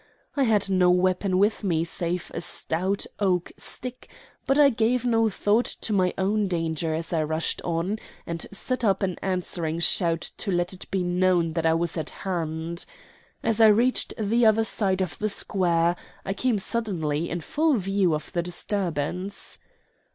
I had no weapon with me save a stout oak stick; but I gave no thought to my own danger as I rushed on, and set up an answering shout to let it be known that I was at hand. As I reached the other side of the square I came suddenly in full view of the disturbance.